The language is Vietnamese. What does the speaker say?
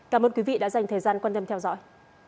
cảm ơn quý vị đã dành thời gian quan tâm theo dõi